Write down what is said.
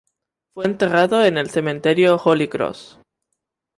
Fue enterrado en el cementerio Holy Cross.